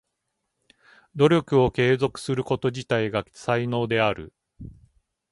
努力を継続すること自体が才能である。